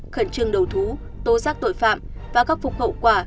khẩn trương đầu thú tố giác tội phạm và khắc phục hậu quả